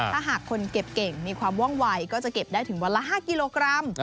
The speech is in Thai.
ถ้าหากคนเก็บเก่งมีความว่องวัยก็จะเก็บได้ถึงวันละ๕กิโลกรัม